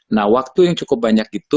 nah waktu yang cukup banyak itu